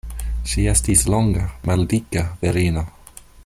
Ŝi estis longa maldika virino.